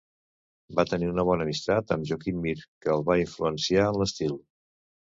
Va tenir una bona amistat amb Joaquim Mir, que el va influenciar en l'estil.